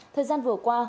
thời gian vừa qua